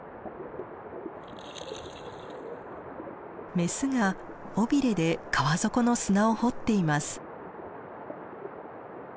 メスが尾びれで川底の砂を掘っています。